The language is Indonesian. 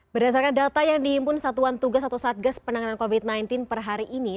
berdasarkan data yang diimpun satuan tugas atau satgas penanganan covid sembilan belas per hari ini